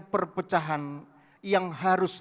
perpecahan yang harus